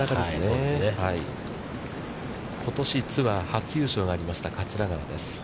ことし、ツアー初優勝がありました桂川です。